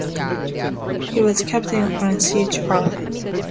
He was captain on Chr.